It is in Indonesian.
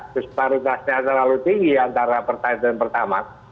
disparitasnya terlalu tinggi antara pertalite dan pertamak